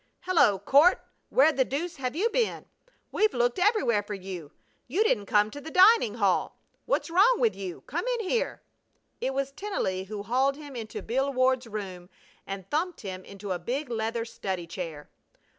"Hello, Court! Where the deuce have you been? We've looked everywhere for you. You didn't come to the dining hall! What's wrong with you? Come in here!" It was Tennelly who hauled him into Bill Ward's room and thumped him into a big leather study chair.